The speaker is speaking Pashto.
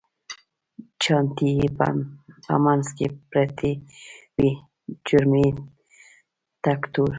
چانټې یې په منځ کې پرتې وې، چرم یې تک تور و.